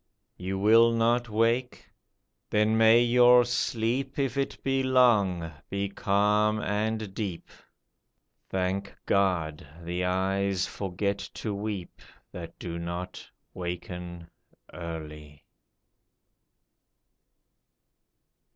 You will not wake ? Then may your sleep, If it be long, be calm and deep ; Thank God, the eyes forget to weep That do not waken early